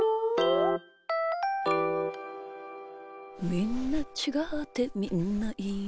「みんなちがってみんないいな」